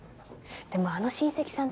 でもあの親戚さん